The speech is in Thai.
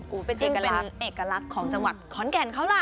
ซึ่งเป็นเอกลักษณ์ของจังหวัดขอนแก่นเขาล่ะ